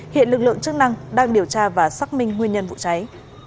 hiện lực lượng chức năng đang điều tra và xác minh nguyên nhân vụ cháy